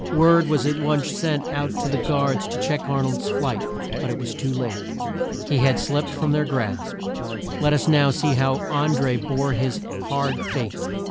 Word was at once sent out to the guards to check Ar nold's flight, but it was too late. He had slipped from their grasp. Let us now see how An dré bore his hard fate.